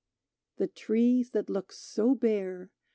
The trees, that look so bare.